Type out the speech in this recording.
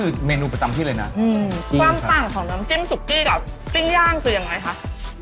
คือเมนูประจำที่เลยนะอืมความต่างของน้ำจิ้มสุกี้กับปิ้งย่างคือยังไงคะ